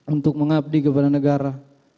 untuk mengabdi kepada negara